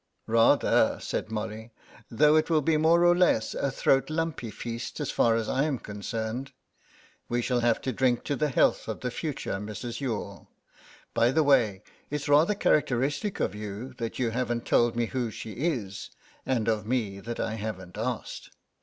"Rather," said Molly, "though it will be more or less a throat lumpy feast as far as I am concerned. We shall have to drink to the health of the future Mrs. Youghal. By the way, it's rather characteristic of you that you haven't told me who she is, and of me that I haven't asked.